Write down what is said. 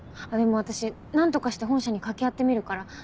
でも私何とかして本社に掛け合ってみるから。